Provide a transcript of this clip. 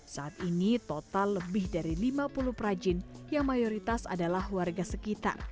saat ini total lebih dari lima puluh perajin yang mayoritas adalah warga sekitar